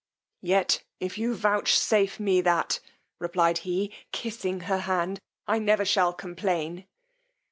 Yet if you vouchsafe me that, replied he, kissing her hard, I never shall complain.